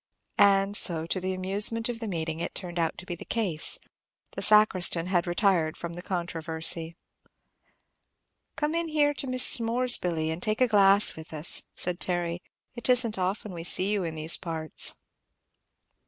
And so, to the amusement of the meeting, it turned out to be the case; the sacristan had retired from the controversy. "Come in here to Mrs. Moore's, Billy, and take a glass with us," said Terry; "it isn't often we see you in these parts."